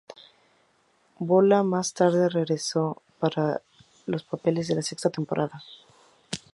Bola más tarde regresó para los papeles de la sexta temporada.